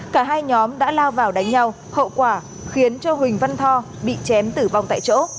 cả hai nhóm đã lao vào đánh nhau hậu quả khiến cho huỳnh văn tho bị chém tử vong tại chỗ